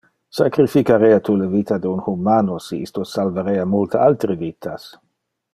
Sacrificarea tu le vita de un human si isto salvarea multe altere vitas?